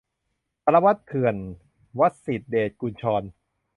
สารวัตรเถื่อน - วสิษฐ เดชกุญชร